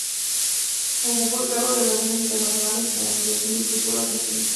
Ocupó el cargo de Relaciones Internacionales en la Asociación del Fútbol Argentino.